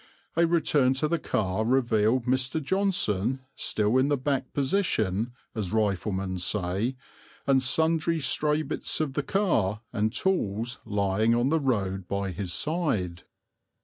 A return to the car revealed Mr. Johnson still in the back position, as riflemen say, and sundry stray bits of the car and tools lying on the road by his side.